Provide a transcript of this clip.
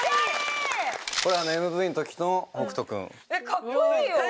かっこいいよ！